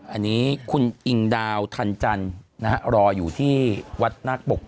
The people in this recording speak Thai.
อันนี้คุณอิงดาวทันจันทร์รออยู่ที่วัดนาคปก